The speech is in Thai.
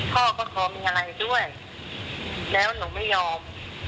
พ่อก็ขอมีอะไรด้วยแล้วหนูไม่ยอม